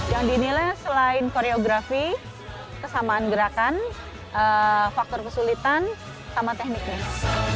yang dinilai selain koreografi kesamaan gerakan faktor kesulitan sama tekniknya